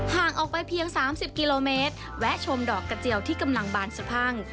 ห่างออกไปเพียง๓๐กิโลเมตรแวะชมดอกกระเจียวที่กำลังบานสะพัง